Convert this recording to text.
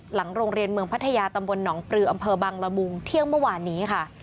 หลังโรงเรียนเมืองพัทยาตำบลหนองปลืออำเภอบังละมุงเที่ยงเมื่อวานนี้ค่ะ